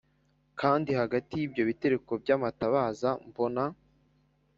kandi hagati y ibyo bitereko by amatabaza mbona